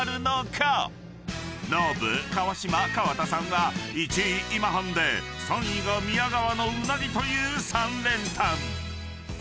［ノブ川島川田さんは１位「今半」で３位が「宮川」のうなぎという３連単］